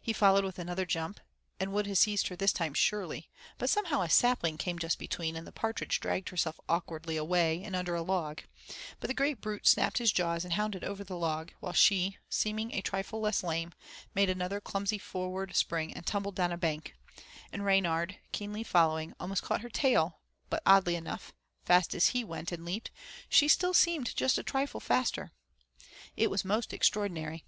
He followed with another jump and would have seized her this time surely, but somehow a sapling came just between, and the partridge dragged herself awkwardly away and under a log, but the great brute snapped his jaws and hounded over the log, while she, seeming a trifle less lame, made another clumsy forward spring and tumbled down a bank, and Reynard, keenly following, almost caught her tail, but, oddly enough, fast as he went and leaped, she still seemed just a trifle faster. It was most extraordinary.